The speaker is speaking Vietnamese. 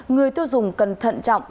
người tiêu dùng cần thận trọng